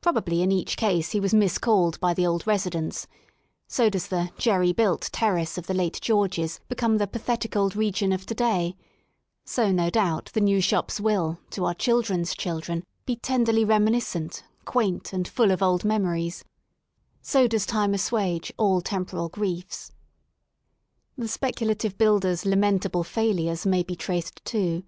Probably in each case he was miscalled by the old residents; so does the jerry built" terrace of the late Georges become the pathetic old region of to day ; so no doubt the new shops will, to our children's children, betenderlyreminiscent, quaint, and full of old memories; so does Time assuage ail temporal griefs. The speculative builder's lamentable failures may be traced too.